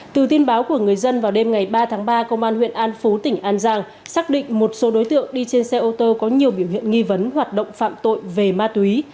từ tin báo của người dân vào đêm ngày ba tháng ba công an huyện an phú tỉnh an giang xác định một số đối tượng đi trên xe ô tô có nhiều biểu hiện nghi vấn hoạt động phạm tội về ma túy